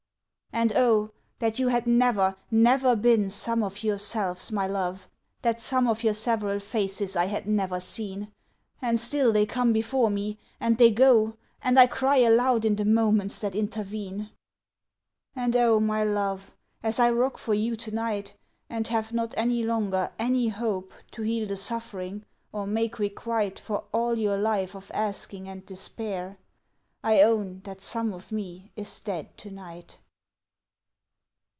And oh, that you had never, never been Some of your selves, my love, that some Of your several faces I had never seen! And still they come before me, and they go, And I cry aloud in the moments that intervene. And oh, my love, as I rock for you to night, And have not any longer any hope To heal the suffering, or make requite For all your life of asking and despair, I own that some of me is dead to night.